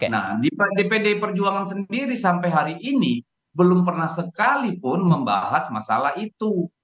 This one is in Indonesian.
nah di dpd perjuangan sendiri sampai hari ini belum pernah sekalipun membahas masalah itu